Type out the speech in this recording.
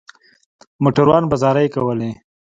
موټروان به زارۍ کولې.